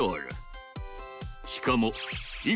しかも１